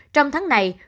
trong tháng này